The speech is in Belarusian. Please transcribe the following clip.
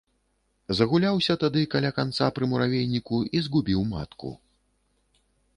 Загуляўся тады каля канца пры муравейніку і згубіў матку.